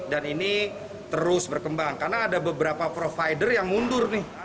dan ini terus berkembang karena ada beberapa provider yang mundur nih